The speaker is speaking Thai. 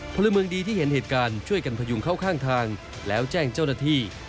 พลเมืองดีที่เห็นเหตุการณ์ช่วยกันพยุงเข้าข้างทางแล้วแจ้งเจ้าหน้าที่